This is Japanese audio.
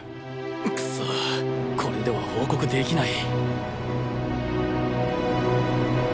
クソこれでは報告できない。